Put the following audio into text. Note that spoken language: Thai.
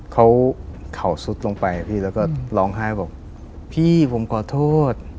เขาเข่าสุดลงไปพี่แล้วก็ร้องไห้บอกพี่ผมขอโทษ